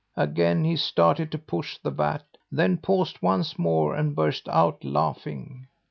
"Again he started to push the vat, then paused once more and burst out laughing.